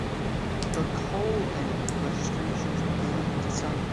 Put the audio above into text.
The "call-in" registrations began in December.